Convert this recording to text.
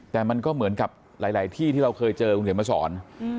แต่มันก็เหมือนกับหลายที่ที่เราเคยเจอคุณเขียนมาสอน